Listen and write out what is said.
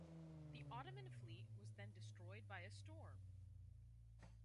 The Ottoman fleet was then destroyed by a storm.